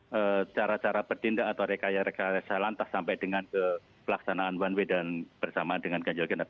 dengan cara cara bertindak atau rekaya rekayasa lantas sampai dengan ke pelaksanaan one way dan bersama dengan ganjil genap